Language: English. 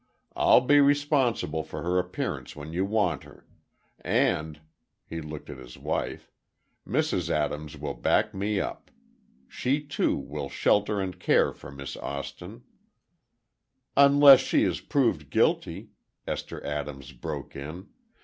I'll be responsible for her appearance when you want her. And," he looked at his wife, "Mrs. Adams will back me up. She too will shelter and care for Miss Austin—" "Unless she is proved guilty," Esther Adams broke in.